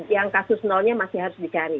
yang kasus nolnya masih harus dicari